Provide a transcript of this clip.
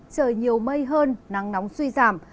trời nhiều mây hơn nắng nóng suy giảm